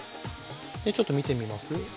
ちょっと見てみます？